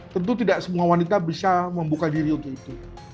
tentu tidak semua wanita bisa membuka diri untuk itu